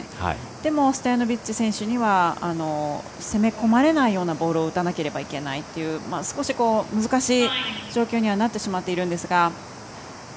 でも、ストヤノビッチ選手には攻め込まれないようなボールを打たなければいけないという少し難しい状況にはなってしまっているんですが。